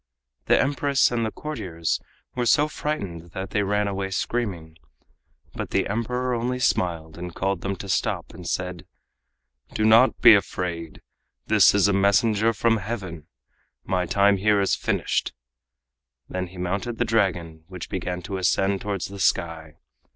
The Empress and the courtiers were so frightened that they ran away screaming. But the Emperor only smiled and called to them to stop, and said: "Do not be afraid. This is a messenger from Heaven. My time here is finished!" He then mounted the Dragon, which began to ascend towards the sky.